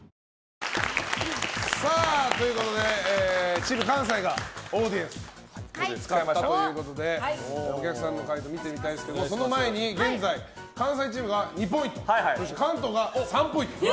チーム関西がオーディエンスを使ったということでお客さんの回答を見てみたいんですがその前に現在関西チームが２ポイントそして関東が３ポイント。